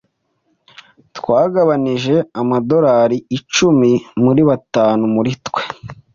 Twagabanije amadorari icumi muri batanu muri twe.